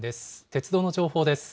鉄道の情報です。